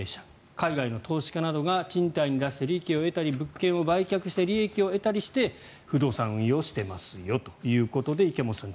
海外の投資家などが賃貸に出して利益を得たり物件を売却して利益を得たりして不動産運用をしていますよということで池本さん